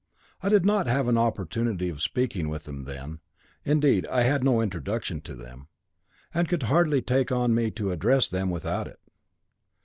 I did not have an opportunity of speaking with them then; indeed, I had no introduction to them, and could hardly take on me to address them without it.